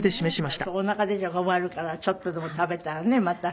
だからおなか出ちゃ困るからちょっとでも食べたらねまた。